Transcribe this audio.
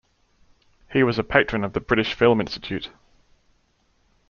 He was a patron of the British Film Institute.